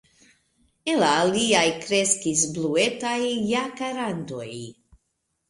En la aliaj kreskis bluetaj jakarandoj.